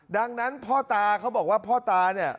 ดังนั้นพ่อตาเขาบอกว่าพ่อตาเนี่ย